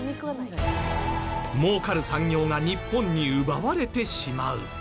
もうかる産業が日本に奪われてしまう。